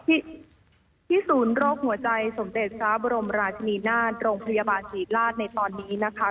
ที่ศูนย์โรคหัวใจสมเด็จพระบรมราชนีนาฏโรงพยาบาลศรีราชในตอนนี้นะคะ